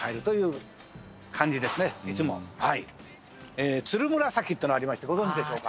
えーツルムラサキっていうのがありましてご存じでしょうか？